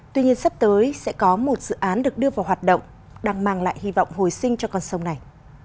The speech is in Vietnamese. tuy nhiên sắp tới sẽ có một dự án được đưa vào hoạt động đang mang lại hy vọng hồi sinh cho con sông này